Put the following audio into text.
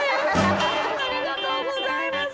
ありがとうございます。